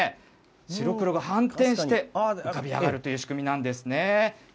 白黒が反転して浮かび上がるという仕組みなんですね。